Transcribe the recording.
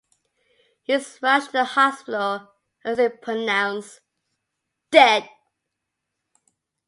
He is rushed to the hospital and soon pronounced dead.